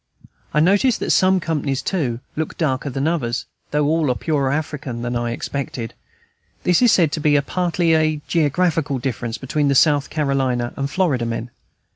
I notice that some companies, too, look darker than others, though all are purer African than I expected. This is said to be partly a geographical difference between the South Carolina and Florida men.